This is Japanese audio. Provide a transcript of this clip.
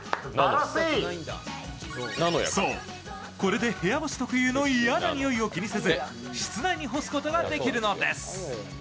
そう、これで部屋干し特有の嫌な臭いを気にせず室内に干すことができるのです。